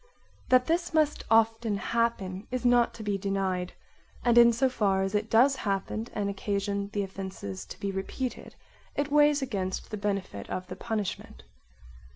That this must often happen is not to be denied, and in so far as it does happen and occasions the offence to be repeated it weighs against the benefit of the punishment.